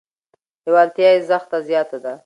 لیوالتیا یې زښته زیاته ده.